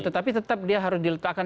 tetapi tetap dia harus diletakkan